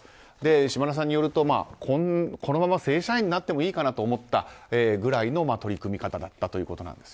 島田さんによると、このまま正社員になってもいいかなと思ったくらいの取り組み方だったということなんです。